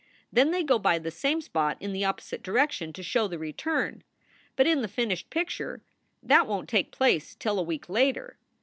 Then they go by the same spot in the opposite direction to show the return. But in the finished picture that won t take place till a week later.